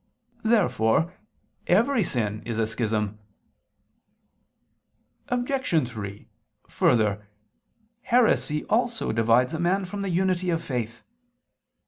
Therefore every sin is a schism. Obj. 3: Further, heresy also divides a man from the unity of faith.